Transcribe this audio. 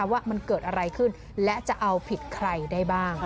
ว่ามันเกิดอะไรขึ้นและจะเอาผิดใครได้บ้าง